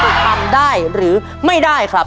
ทำได้หรือไม่ได้ครับ